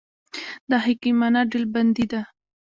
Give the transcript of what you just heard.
دا حکیمانه ډلبندي ده.